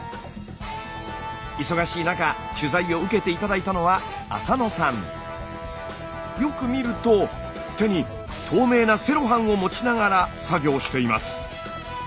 忙しい中取材を受けて頂いたのはよく見ると手に透明なセロハンを持ちながら作業しています。